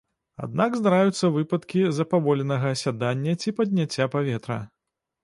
Аднак здараюцца выпадкі запаволенага асядання ці падняцця паветра.